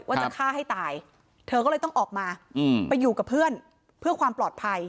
ว่าจะฆ่าให้ตายเธอก็เลยต้องออกมาไปอยู่กับเพื่อนเพื่อความปลอดภัย